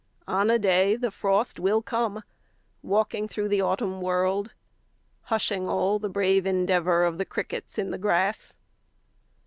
On a day the frost will come, 5 Walking through the autumn world, Hushing all the brave endeavour Of the crickets in the grass.